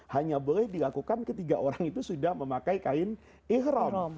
hanya boleh dilakukan ketiga orang itu sudah memakai kain ikhram